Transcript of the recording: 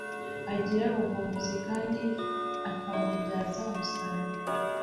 Agira ubuvumbuzi kandi akabubyaza umusaruro